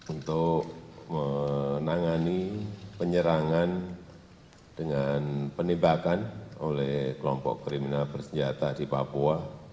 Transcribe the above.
untuk menangani penyerangan dengan penembakan oleh kelompok kriminal bersenjata di papua